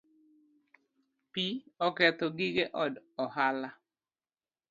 Pi oketho gige od ohala